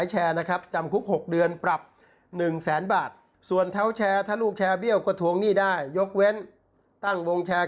ยกเว้นตั้งวงแชร์เกิน๓วง